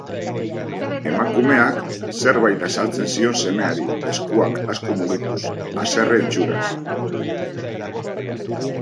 Emakumeak zerbait azaltzen zion semeari eskuak asko mugituz, haserre itxuraz.